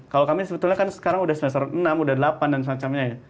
kalau kami sebetulnya kan sekarang udah semester enam udah delapan dan semacamnya ya